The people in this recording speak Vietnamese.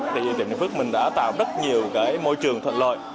bình phước đã tạo rất nhiều môi trường thuận lợi